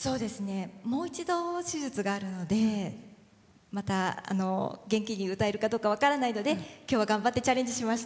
もう一度手術があるのでまた元気に歌えるかどうか分からないので今日は頑張ってチャレンジしました。